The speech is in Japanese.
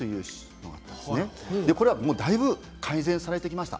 これはだいぶ改善されてきました。